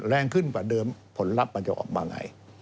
แรงขึ้นกว่าเดิมผลลัพธ์มันจะออกมาไง